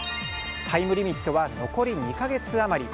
タイムリミットは残り２か月余り。